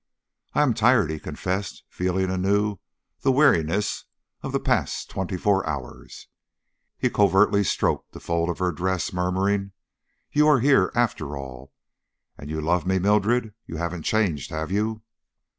"I am tired," he confessed, feeling anew the weariness of the past twenty four hours. He covertly stroked a fold of her dress, murmuring: "You are here, after all. And you love me, Mildred? You haven't changed, have you?"